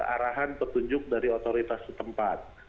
arahan petunjuk dari otoritas setempat